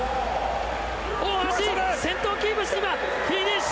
大橋、先頭をキープして今、フィニッシュ！